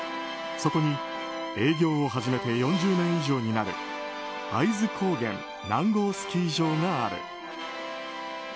そこに、営業を始めて４０年以上になる会津高原南郷スキー場がある。